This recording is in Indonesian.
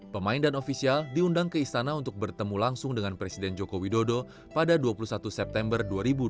pemain dan ofisial diundang ke istana untuk bertemu langsung dengan presiden joko widodo pada dua puluh satu september dua ribu dua puluh